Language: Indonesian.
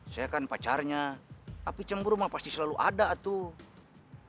saya kan pacarnya tapi cemburu mah pasti selalu ada tuh